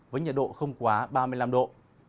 với nhiệt độ không quá ba mươi năm độ